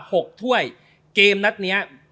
หกถ้วยเกมนัดเนี้ย